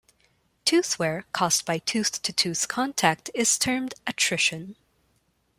Tooth wear caused by tooth-to-tooth contact is termed attrition.